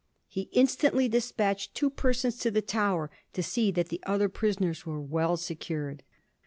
He instantly despatched two persons to the Tower to see that the other prisoners were well secured.'